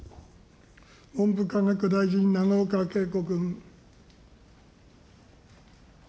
文部科学大臣、永岡桂子君。